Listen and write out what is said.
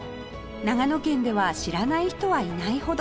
長野県では知らない人はいないほど